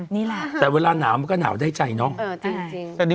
นี่แหละแต่เวลาหนาวมันก็หนาวได้ใจเนาะ